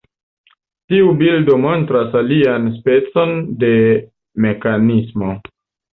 Tiu bildo montras alian specon de mekanismo.